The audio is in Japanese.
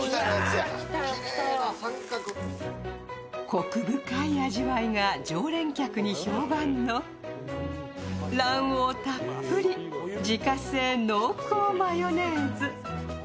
コク深い味わいが常連客に評判の、卵黄たっぷり自家製濃厚マヨネーズ。